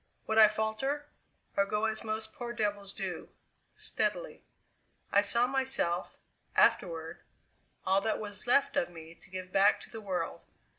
Would I falter, or go as most poor devils do steadily? I saw myself afterward all that was left of me to give back to the world.